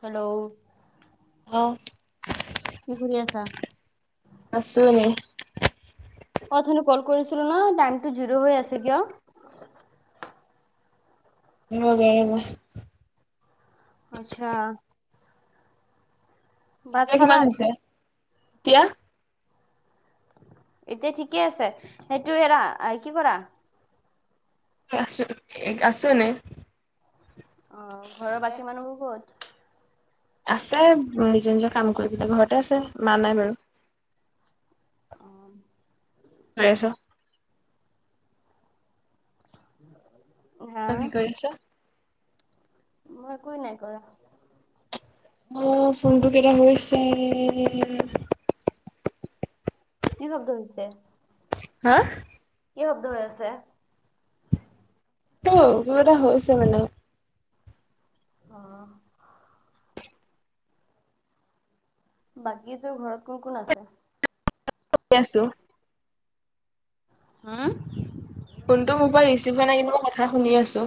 Hello অঁ। কি কৰি আছা? আছো এনেই। অথনি কল কৰিছিলো ন টাইমটো জিৰো হৈ আছে কিয়? অ বাৰ বা আচ্ছা ভাত এতিয়া কিমান খালা? হৈছে এতিয়া? এতিয়া ঠিকে আছে সেইটো এইটো এৰা কি কৰা। আছো আছো এনেই। [unintelligible] আছে নিজৰ নিজৰ কাম কৰি পেলাই ঘৰতে আছে মা নাই বাৰু। কৈ আছ। [inaudible] তই কি কৰিছ? মই একোৱো নাই কৰা। অ' ফোনটো কেইটা হৈছে। কি শব্দ শুনিছে? হা কি শব্দ হৈ আছে? ত কিবা এটা হৈছে মানে অহ। বাকী তোৰ ঘৰত কোন কোন আছে? আছো। হোম ফোনটো মোৰ পৰা ৰিচিভ হোৱা নাই কিন্তু মই কথা শুনি আছো।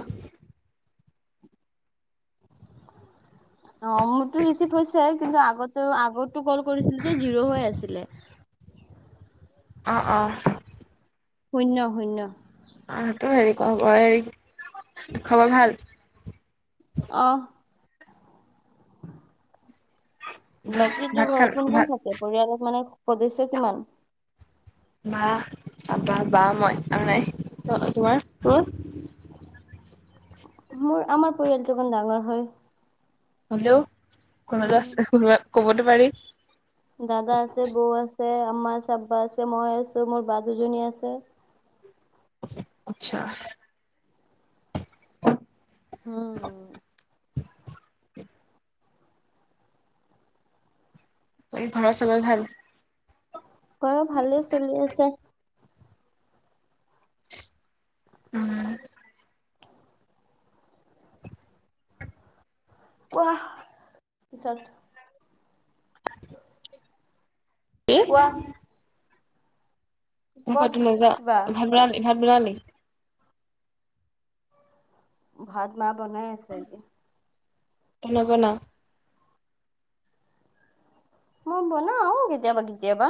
অ' মোৰতো ৰিচিভ হৈছে কিন্তু আগতো আগতো কল কৰিছিলো যে জিৰ' হৈ আছিলে। অ' অ' শূন্য শূন্য। আহটো হেৰি খবৰ হৰি খবৰ ভাল। অহ বাকী তো ভাত খাল ঘৰ কোন কোন ভাত থাকে পৰিয়ালত মানে সদস্য কিমান? বা বা বা মই আৰু নাই। তোমাৰ তোৰ? [inaudible] মোৰ আমাৰ পৰিয়ালটো অকণ ডাঙৰ হয়। হ'লেও কোনদাছ উম কবতো পাৰি। দাদা আছে, বৌ আছে, আম্মা আছে, আব্বা আছে, মই আছো, মোৰ বা দুজনী আছে। [inaudible] আত্চ্ছা। [inaudible] তাকে ঘৰৰ চবৰ ভাল? ঘৰৰ ভালেই চলি আছে। উম। কোৱা পিছত এ কোৱা কোৱা মোখটো নাযা কিবা ভাত বনালি ভাত বনালি? ভাত মাহ বনাই আছে এতিয়া। তই নবনা মই বনাও কেতিয়াবা কেতিয়াবা।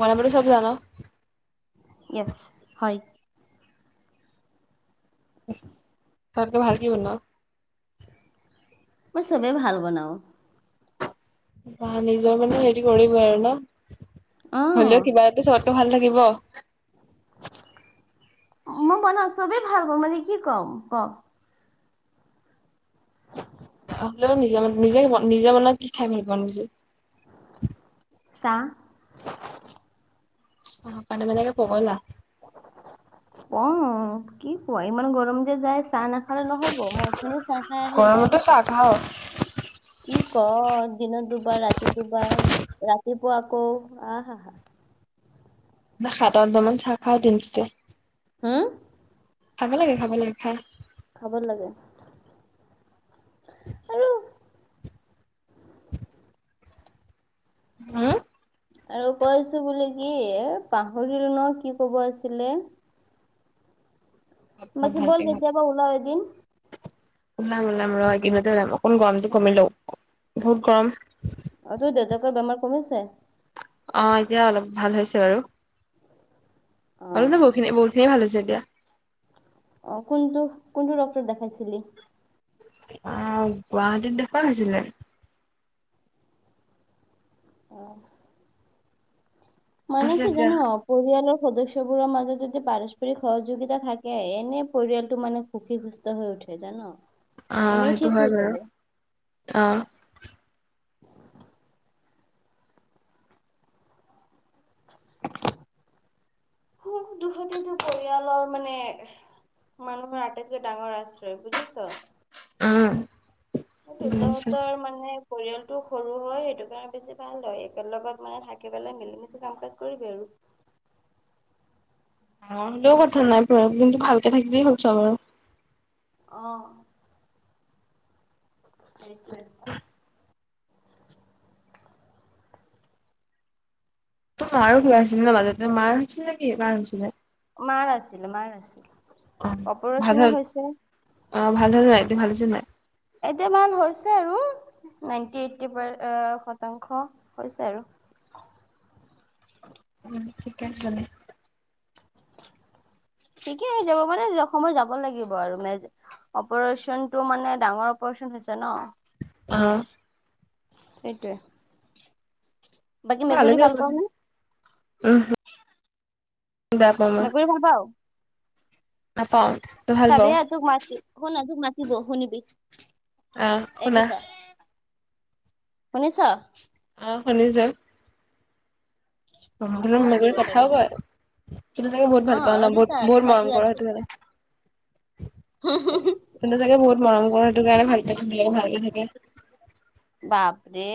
বনাবলেটো চব জান'? ইএছ হয়। আটাইতকৈ ভাল কি বনোৱা? মই চবেই ভাল বনাও। বা নিজৰ মানে হেৰি কৰিবই আৰু ন অ হলেও কিবা এটা চ। টো ভাল লাগিব। মই বনাওঁ চবেই ভাল বনাওঁ মানে কি কম ক। হলেও নিজে নিজে নিজে বনাই কি খাই ভাল পাওঁ নিজে। চাহ। চাহপানী কাৰণে পগলা। অ কি কোৱা ইমান গৰম যে যায় চাহ নাখালে নহ'ব। মই অথনি চাহ খাই আহিলো। গৰমতো চাহ খাওঁ কি ক দিনত দুবাৰ ৰাতি দুবাৰ ৰাতিপুৱা আকৌ আহ আহা হা। ন সাতটামান চাহ খাই দিন তোত তে। [unintelligible] হুম? খাবা লাগে খাব লাগে খাই। খাব লাগে। আৰু হম। আৰু কৈছো বোলো কি এ পাহৰিলো ন কি কব আছিলে। ভাত বাকি ব'ল। ভালকে ভাত কেতিয়া এদিন ওলাম ওলাম ৰ এই কেইদিন ওলাম অকণ গৰমটো কমি লও বহুত গৰম। অ তোৰ দেউতাকৰ বেমাৰ কমিছে? অ এতিয়া অলপ ভাল হৈছে বাৰু। অ অলপ ন বহুখিনি বহুতখিনি ভাল হৈছে। জগা। অ কোনটো, কোনটো ডক্তৰ দেখাইছিলি? অহ গুৱাহাটীত দেখুুৱা হৈছিলে। অহ মানে আছে কি এতিয়া জানো পৰিয়ালৰ সদস্যবোৰৰ মাজত যদি পাৰস্পৰিক সহযোগিতা থাকে এনে পৰিয়ালটো মানে সুখী সুস্থ হৈ উ তেতিয়া ন অহ সেতু হয় আৰু অহ সুখ দুখতেতো পৰিয়ালৰ মানে। মানুহৰ আটাইতকৈ ডাঙৰ আশ্ৰয় বুজিছ। উম। সেইটো বুজিছো। তহঁতৰ মানে। পৰিয়ালটো সৰু হয়। সেইটো কাৰণে বেছি ভাল হয়। একে লগত মানে থাকি পেলাই মিলি মছি কাম কাজ কৰিবি আৰু। [inaudible] মই সকলো কথা নাই বয়স দিনত ভালকে থাকিবি হল চবৰ অ। সেইটো। তোৰ মাৰো কিবা ন মাজত‌ মাৰ হৈছিল নেকি মাৰ‌ কৰ হৈছিলে মাৰ আছিল মাৰ অ আছিল ভাল অপাৰেচন হ'ল। হৈছে। অ ভাল হ নাই এতিয়া ভাল যে নাই। এটামান হৈছে আৰু নাইনটি এইটটি প শতাংশ হৈছে আৰু। [inaudible] উম ঠিকে আছে তেনে ঠিকে হৈ যাব মানে। অসমত যাব লাগিব আৰু মে অপাৰচন টো মানে ডাঙৰ অপাৰ টো হৈছে ন? অঁহ সেইটোৱে। বাকী মেকুৰী ভাল পাৱ নে? উ হ মেকুৰি ভাল পাৱ? নাপাওঁ। তই ভাল চাভি পাওঁ। হা তোক মাতি শুন না তোক মাতিব শুনিবি আহ এইটো খোনা চা শুনিছ? অ শুনিছোঁ। অ আকৌ বোলে মাতিব মেকুৰী চাবি কথাও হা কয় তুই চাগে বহুত অ ভাল পাৱ ন, এইটো চা বহুত বহুত তোক মাতি মৰম কৰা আছে সেইটো কাৰণে। [inaudible] তহঁতি চাগে বহুত মৰম কৰ সেইটো কাৰণে ভালকে থবি ভালকে থাকে। বাপৰে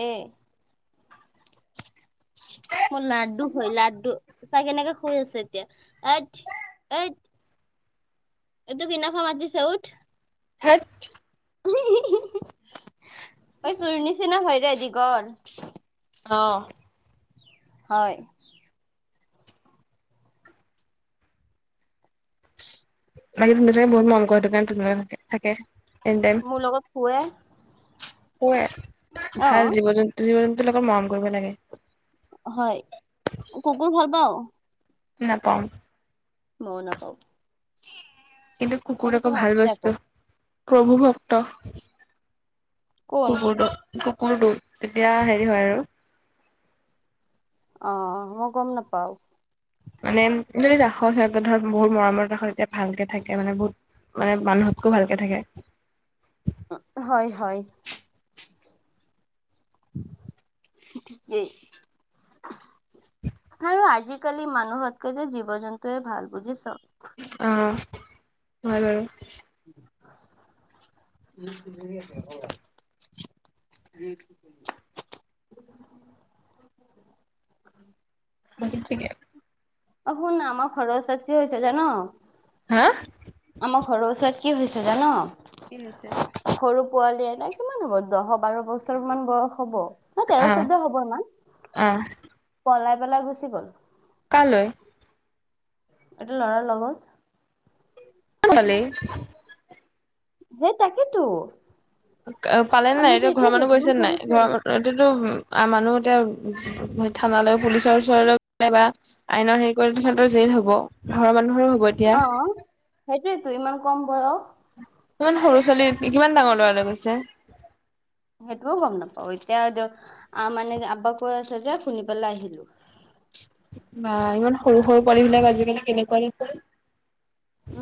অ লাড্ডু হয় লাড্ডু চা কেনেকে শুই আছে এতিয়া অইঠ অইঠ ঐ তোক বিনাফে মাতিছে উঠ। হাত ঐ তোৰ নিচিনা হয়ৰে দীঘল অঁ হয় বাকী তুমি চাগে বহুত মৰম কৰ সেইটো কাৰণে তোমাৰ লগতে থাকে থাকে মোৰ লগত শুয়ে। শুৱে, অ ভাল জীৱ -জন্তু জীৱ- জন্তুৰ লগত মৰম কৰিব লাগে। হয় কুকুৰ ভাল পাৱ? নাপাওঁ। মইও নাপাওঁ। কিন্তু কুকুৰ আকৌ ভাল বস্তু। প্ৰভু ভক্ত কোন কুকুৰটো কোৰটো তেতিয়া হেৰি হয় আৰু আহ মই গম নাপাওঁ। মানে যদি ৰাখ সিহঁতৰ ধৰ বহুত মৰমত ৰাখ তেতিয়া ভালকে থাকে মানে বহুত মানে মানুহতকৌ ভালকে থাকে। হয় হয়। কি আৰু আজি আজিকালি মানুহতকৈ যে জীৱ -জন্তুুৱে ভাল বুজিচ অ হয় বাৰু [inaudible] [unintelligible] [inaudible] বাকী ঠিকে। অ শুননা আমাৰ ঘৰৰ ওচৰত কি হৈছে জান, হা আমাৰ ঘৰৰ ওচৰত কি হৈছে জান? কি হৈছে। সৰু পোৱালি ন কিমান হ'ব দহ বাৰ বছৰ মান বয়স হ'ব। ন তেৰ আহ চৈধ্য হব ইমান আহ পলাই পেলাই গুচি গ'ল। কালৈ। এটা ল'ৰাৰ লগত। [unintelligible] হে তাকেতো। অ পালে ন নাই আমিতো এতিয়া ঘৰৰ এইটোৱে মানুহ কৈছো ন গৈছে নাই সৰু ঘৰৰ পোৱালি মানুহ এতিয়াতো আ মানুহ এতিয়া থানালৈ পুলিচৰ ওচৰলৈ গলে বা আইনৰ হেৰি ৰ জেইল হব ঘৰৰ মানুহৰ হ'ব। এতিয়া অ সেইটোৱেইতো ইমান কম বয়স। ইমান সৰু ছোৱালী কিমান ডাঙৰ লৰালে গৈছে। সেইটোও গম নাপাও এতিয়া আহ মানে আকৌ কৈ আছে যে শুনি পেলাই আহিলো। হয় [inaudible] বা ইমান সৰু সৰু পোৱালী বিলাক আজিকালি কেনেনেকুৱা দে ফ।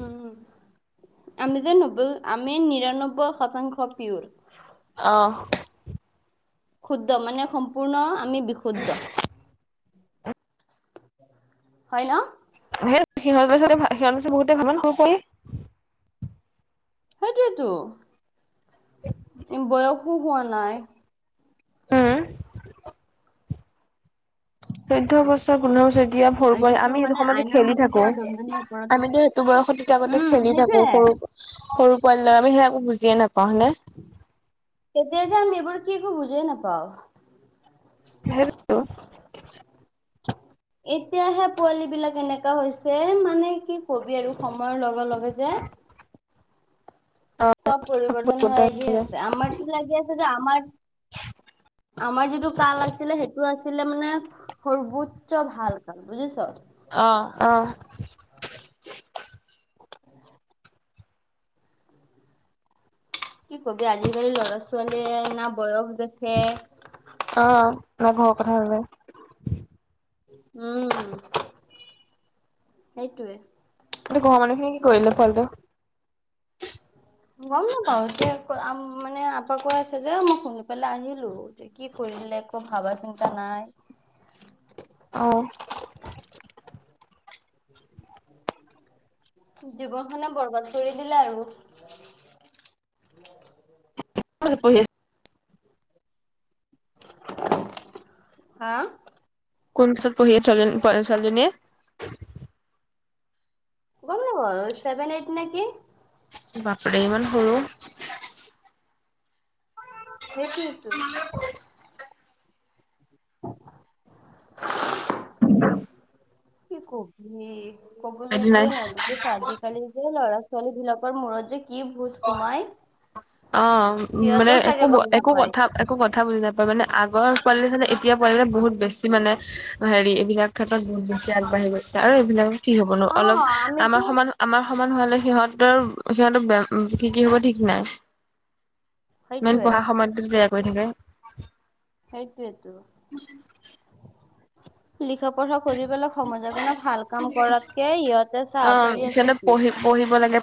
উম আমি যে নবল আমি নিৰান্নব্বৈ শতাংশ পিয়ৰ। আহ। ক্ষুদ্ধ মানে সম্পূৰ্ণ আমি বিশুদ্ধ। হয় ন। সিহঁৰ সিহঁৰো বহুতে ভাল ন হয় নে। সেইটোৱেটো বয়সো হোৱা নাই। উম চৈধ্য বছৰ সৰু যে - যেতিয়া ভৰ কৰি এইটোতো আমি সেইটো মানে সময় যে আইনৰ খেলি মতে থাকো পুৰা দণ্ডনীয় অপৰাধ আমিতো সেইটো বয়সত তেতিয়া আগতে উম খেলি থাকো সেইটোয়ে সৰু। সৰু পোৱালি লগত আমি সেইয়া একো বুজিয়ে নাপাওঁ। হয়নে তেতিয়া যে আমি এইবাৰ কি একো বুজিই নাপাও। হল' [unintelligible] এতিয়াাহে পোৱালী বিলাক এনেকা হৈছে মানে কি কবি আৰু সময়ৰ লগে লগে যে- [inaudible] চব পৰিৱৰ্তন হৈ আহি আছে। আমাৰতো লাগি আছে যে আমাৰ- আমাৰ যিটো কাল আছিলে সেইটো আছিলে মানে সৰ্বোচ্চ ভাল কাল বুজিছ। আহ আহ। কি কবি আজিকালি ল'ৰা ছোৱালীয়ে স বয়স। দেখে অ আমাৰ ঘৰৰ কথা ওলাই উম সেইটোৱে। তহতি ঘৰৰ মানুখিনি কি কৰিলে পোৱালীটোক। গম নাপাওঁ এতিয়া মানে আপাক কৈ আছে যে মই শুনি পেলাই আনিলো যে কি কৰি? বেলেগ একো ভাবা চিন্তা নাই। আহ। জীৱনখনে বৰবাদ কৰি দিলে আৰু। [inaudible] হা কোনছত পঢ়িয়া চ ছোৱালী জনীয়ে? গম নাপাও ছেভেন এইট নেকি? বাপৰে ইমান সৰু সেইটোৱেতো [unintelligible] উম কি কবি কবলে একোৱে নাই বুজিছ আজি কালি যে ল'ৰা ছোৱালীবিলাকৰ মূৰত যে কি ভূত সোমাই অ মানে সিহঁতেও একো চাগে গম একো নাপায়। কথা একো কথা বুজি নাপায় মানে আগ ৰ পোৱালি চানে এতিয়া পোৱালি কেইটা বহুত বেছি মানে হেৰি এইবিলাক ক্ষেত্ৰত বহুত বেছি আগবাঢ়ি গৈছে আৰু এইবিলাকত কি হ'ব ন অ অলপ আমাৰ আমিতো সমান আমাৰ সমান হোৱালে সিহঁতৰ সিহঁতৰ কি কি হ'ব ঠিক নাই ইমান সেইটোৱে পঢ়া সময়তো যে বেয়া কৰি থাকে সেইটোৱেতো লিখা পঢ়া কৰিবলৈ সমাজৰ কাৰণে ভাল কাম কৰাতকে সিহঁতে চাহ অ কৰি আছে সিহঁতে কি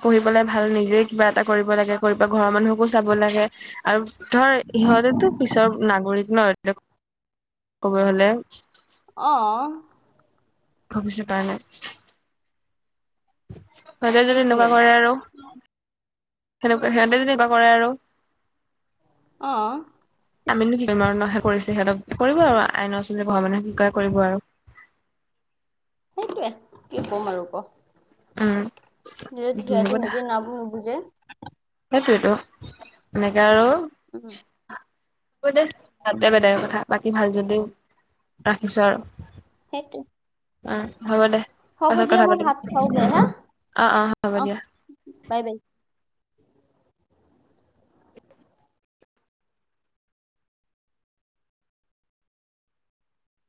পঢ়ি পেলাই ভাল নিজে কিবা এটা কৰিব লাগে কৰিব পেলাই ঘৰৰ মানুহকো চাব লাগে আৰু ধৰ ইহত বিলাকেটো পিছৰ নাগৰিক ন কব গলে অ ভৱিষ্যত তাৰ নাই চবে যদি সেইটোৱে এনেকোৱা কৰে আৰু সেনেকোৱা সিহঁতে যদি এনেকোৱা কৰে আৰু অ আমিনো কি কৰিম আৰু ন সিহঁতক কৰিব আৰু আইনৰ ওচৰত যাব ভগৱানে কি কৰে কৰিব আৰু সেইটোৱে কি ক'ম আৰু ক উম নিজে যি থিয়তি হ'ব দে নিজে নুবুজে সেইটোৱেতো এনেকে আৰু উম দে বাদ দে বাদ দে এইবাৰ কথা বাকী ভাল যদিও ৰাখিছো আৰু সেইটো উম হ'ব দে হ'ব পাছত দিয়া কথা মই পাতিম ভাত খাওঁগে হা অ হ'ব অ দিয়া বাই বাই